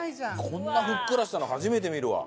こんなふっくらしたの初めて見るわ。